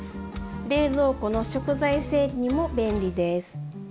冷蔵庫の食材整理にも便利です。